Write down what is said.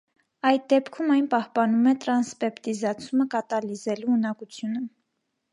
Այդ դեպքում այն պահպանում է տրանսպեպտիզացումը կատալիզելու ունակությունը։